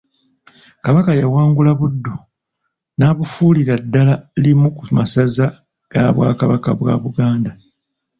Kabaka yawangula Buddu, n'abufuulira ddala limu ku masaza ga Bwakabaka bwa Buganda.